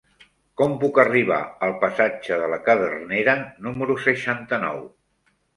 Com puc arribar al passatge de la Cadernera número seixanta-nou?